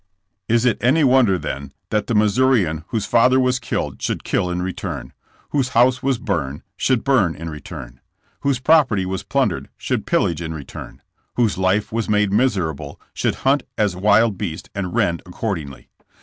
Is it any wonder, then, that the Mis sourian whose father was killed should kill in return ? Whose house was burned should burn in return? Whose property was plundered should pillage in re* turn? Whose life was made miserable, should hunt as wild beast and rend accordingly